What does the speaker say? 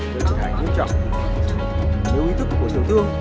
nếu ý thức của tiểu thương